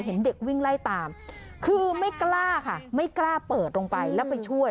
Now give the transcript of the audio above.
เห็นเด็กวิ่งไล่ตามคือไม่กล้าค่ะไม่กล้าเปิดลงไปแล้วไปช่วย